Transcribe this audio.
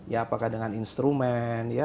ya apakah dengan instrumen ya